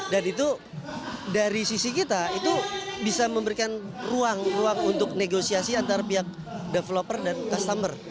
dan itu dari sisi kita itu bisa memberikan ruang ruang untuk negosiasi antara pihak developer dan customer